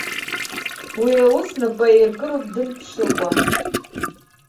Уи аус напы аиркыроуп дымԥшыкәа.